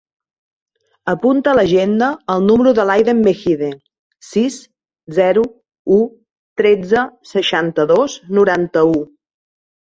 Apunta a l'agenda el número de l'Aiden Meijide: sis, zero, u, tretze, seixanta-dos, noranta-u.